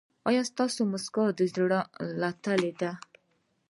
ایا ستاسو مسکا د زړه له تله ده؟